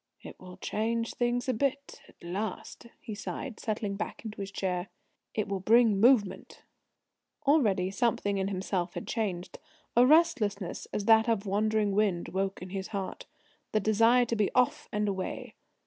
"It will change things a bit at last," he sighed, settling back into his chair. "It will bring movement!" Already something in himself had changed. A restlessness, as of that wandering wind, woke in his heart the desire to be off and away.